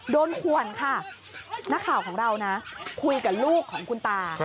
ขวนค่ะนักข่าวของเรานะคุยกับลูกของคุณตา